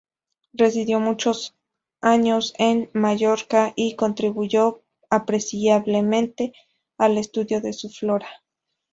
Residió muchos años en Mallorca, y contribuyó apreciablemente al estudio de su flora.